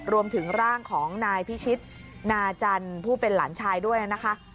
รวมถึงร่างของนายพิชิตนาจันทร์ผู้เป็นหลานชายด้วยนะคะ